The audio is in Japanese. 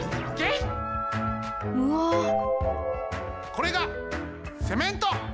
これがセメント！